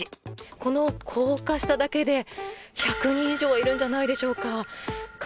この高架下だけで１００人以上いるんじゃないでしょうか。